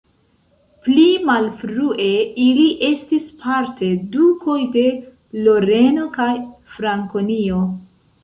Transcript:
Pli malfrue ili estis parte dukoj de Loreno kaj Frankonio.